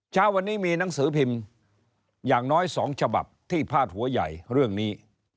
เช้าวันนี้มีหนังสือพิมพ์อย่างน้อย๒ฉบับที่พาดหัวใหญ่เรื่องนี้